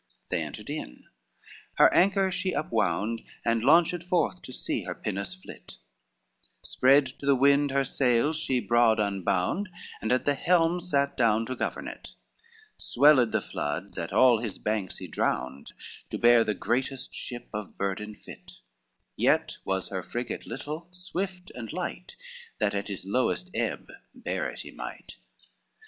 VII They entered in, her anchors she upwound, And launched forth to sea her pinnace flit, Spread to the wind her sails she broad unbound, And at the helm sat down to govern it, Swelled the flood that all his banks he drowned To bear the greatest ship of burthen fit; Yet was her fatigue little, swift and light, That at his lowest ebb bear it he might.